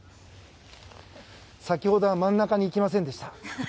先ほどは真ん中にいきませんでした。